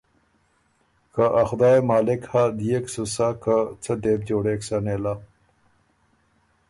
که ا خدایٛ يې مالک هۀ ديېک سُو سَۀ که څۀ دې بو جوړېک سَۀ نېله،